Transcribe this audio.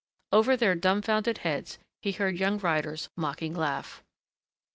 Over their dumbfounded heads he heard young Ryder's mocking laugh.